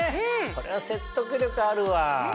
これは説得力あるわ。